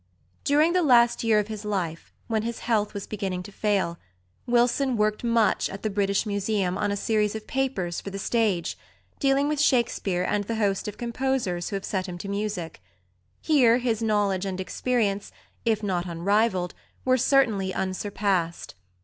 During the last year of his life, when his health was beginning to fail, Wilson worked much at the British {x} Museum on a series of papers for The Stage, dealing with Shakespeare and the host of composers who have set him to music; here his knowledge and experience, if not unrivalled, were certainly unsurpassed.